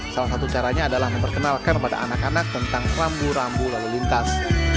salah satu caranya adalah memperkenalkan kepada anak anak tentang rambu rambu lalu lintas